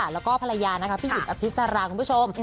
แล้วก็ภรรยานะคะพี่หิตกับพี่สารางคุณผู้ชม